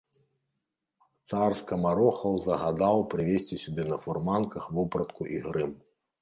Цар скамарохаў загадаў прывесці сюды на фурманках вопратку і грым.